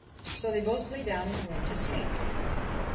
So they both lay down and went to sleep.